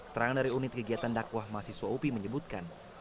terang dari unit kegiatan dakwah mahasiswa upi menyebutkan